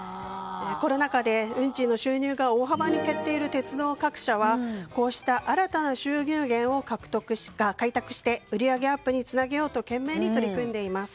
コロナ禍で、運賃の収入が大幅に減っている鉄道各社はこうした新たな収入源を開拓して売り上げアップにつなげようと懸命に取り組んでいます。